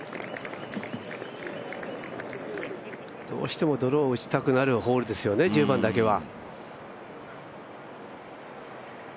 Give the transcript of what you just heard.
どうしてもドローを打ちたくなるホールですよね、１０番だけは。